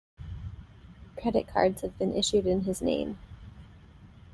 Credit cards have been issued in his name.